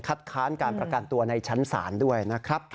ค้านการประกันตัวในชั้นศาลด้วยนะครับ